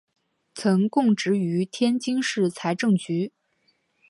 曾供职于天津市财政局。